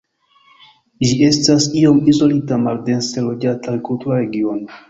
Ĝi estas iom izolita, maldense loĝata agrikultura regiono.